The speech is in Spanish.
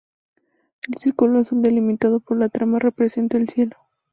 El círculo azul delimitado por la trama representa el cielo.